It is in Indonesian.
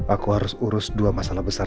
aku harus urus dua masalah besar